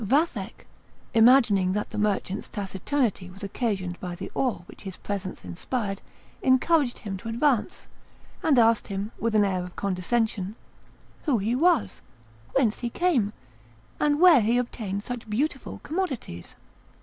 Vathek, imagining that the merchant's taciturnity was occasioned by the awe which his presence inspired, encouraged him to advance, and asked him, with an air of condescension, "Who he was? whence he came? and where he obtained such beautiful commodities?"